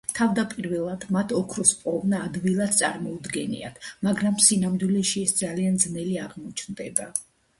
თავდაპირველად მათ ოქროს პოვნა ადვილად წარმოუდგენიათ, მაგრამ სინამდვილეში ეს ძალიან ძნელი აღმოჩნდება.